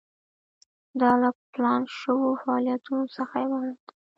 دا له پلان شوو فعالیتونو څخه عبارت ده.